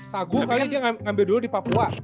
sagu kali dia ngambil dulu di papua